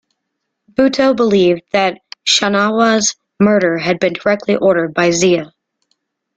Bhutto believed that Shahnawaz's murder had been directly ordered by Zia.